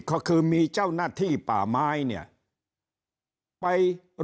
คราวนี้เจ้าหน้าที่ป่าไม้รับรองแนวเนี่ยจะต้องเป็นหนังสือจากอธิบดี